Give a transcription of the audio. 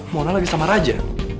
mona lagi sama raja